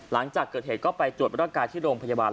หลังจากเกิดเหตุก็ไปจดวิธีโรงพยาบาล